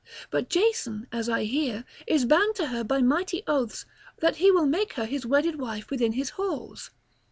But Jason, as I hear, is bound to her by mighty oaths that he will make her his wedded wife within his halls.